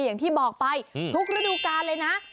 อย่างที่บอกไปทุกฤดูการเลยนะ